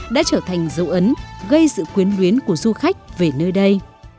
đã trở thành dấu ấn gây sự quyến luyến của du khách về nơi đây